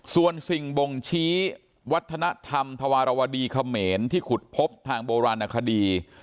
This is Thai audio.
ส่วนสิ่งบ่งชี้วัฒนธรรมธวรวดีเขมรที่ขุดพบทางโบราณคดี